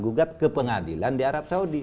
gugat ke pengadilan di arab saudi